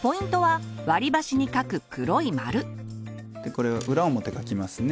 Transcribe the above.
これを裏表かきますね。